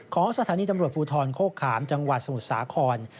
สถานีตำรวจภูทรโคกขามจังหวัดสมุทรสาคร